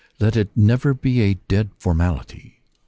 Let it never be a dead formality.